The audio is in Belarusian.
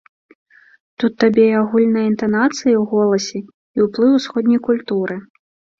Тут табе і агульныя інтанацыі ў голасе, і ўплыў усходняй культуры.